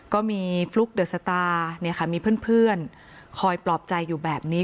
ก็มีฟลุ๊กเดอะสตาร์มีเพื่อนคอยปลอบใจอยู่แบบนี้